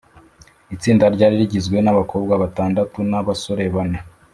itsinda ryari rigizwe nabakobwa batandatu nabasore bane